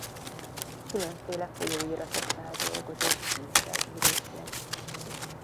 Különféle folyóiratoknál dolgozott újságíróként.